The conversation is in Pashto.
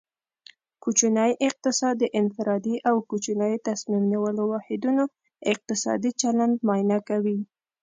کوچنی اقتصاد د انفرادي او کوچنیو تصمیم نیولو واحدونو اقتصادي چلند معاینه کوي